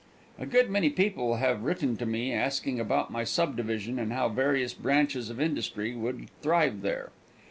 A good many people have written to me asking about my subdivision and how various branches of industry would thrive there.